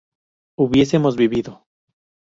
¿hubiésemos vivido?